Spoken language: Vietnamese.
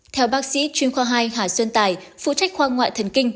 theo bác sĩ chuyên khoa hai hà xuân tài phụ trách khoa ngoại thần kinh